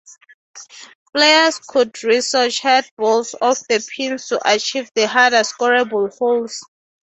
Players could ricochet balls off the pins to achieve the harder scorable holes.